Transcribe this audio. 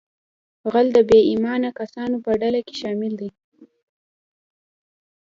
غل د بې ایمانه کسانو په ډله کې شامل دی